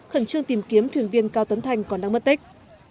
khẩn trương tìm kiếm thuyền viên cao tấn thành còn đang mất tích